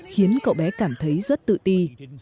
khiến cậu bé cảm thấy rất tự ti